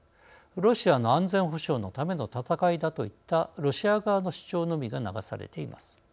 「ロシアの安全保障のための戦いだ」といったロシア側の主張のみが流されいます。